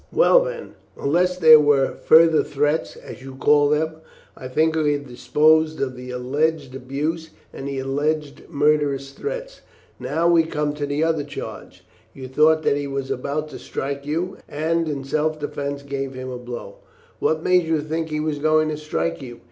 "Well, then, unless there were further threats, as you call them, I think we have disposed of the alleged abuse and the alleged murderous threats. Now we come to the other charge. You thought that he was about to strike you, and in self defence gave him a blow. What made you think that he was going to strike you?"